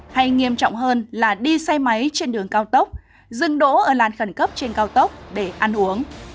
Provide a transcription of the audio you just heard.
hay nghiêm trọng hơn là đi xe máy trên đường cao tốc dừng đỗ ở làn khẩn cấp trên cao tốc để ăn uống